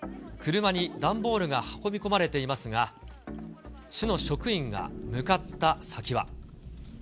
車に段ボールが運び込まれていますが、市の職員が向かった先は。